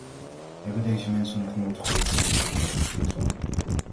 Hebben deze mensen nog nooit gehoord van het voorzorgsbeginsel?